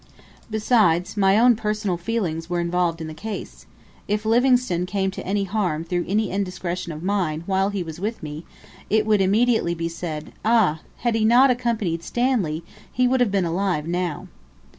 Besides, my own personal feelings were involved in the case. If Livingstone came to any harm through any indiscretion of mine while he was with me, it would immediately be said, "Ah! had he not accompanied Stanley, he would have been alive now."